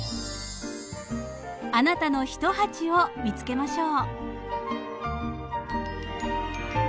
あなたのひと鉢を見つけましょう！